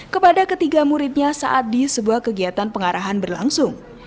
kepada ketiga muridnya saat di sebuah kegiatan pengarahan berlangsung